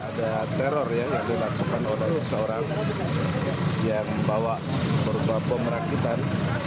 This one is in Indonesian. ada teror yang dilakukan oleh seseorang yang bawa berupa bom rakitan